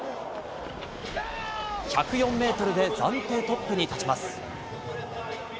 １０４ｍで暫定トップに立ちます。